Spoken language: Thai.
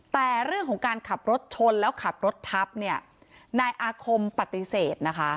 แต่เรื่องของการขับรถชนแล้วขับรถทับเนี่ยนายอาคมปฏิเสธนะคะ